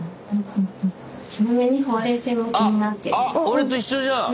俺と一緒じゃん。